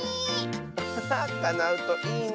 アハハかなうといいね。